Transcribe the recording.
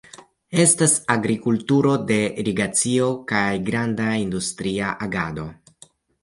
Estas agrikulturo de irigacio kaj granda industria agado.